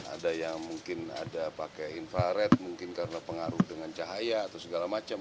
ada yang mungkin ada pakai infaret mungkin karena pengaruh dengan cahaya atau segala macam